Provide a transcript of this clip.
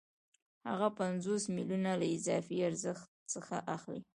هغه پنځوس میلیونه له اضافي ارزښت څخه اخلي